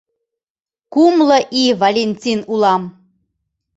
Кумло ий Валентин улам!